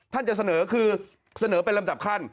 จะเสนอคือเสนอเป็นลำดับขั้น